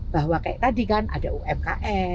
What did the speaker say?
bahwa kayak tadi kan ada umkm